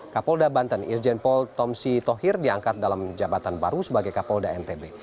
kapolda banten irjenpol tom si tohir diangkat dalam jabatan baru sebagai kapolda ntb